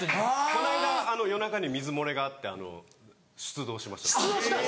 この間夜中に水漏れがあって出動しました。